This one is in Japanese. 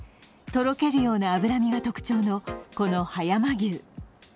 とろけるような脂身が特徴のこの葉山牛。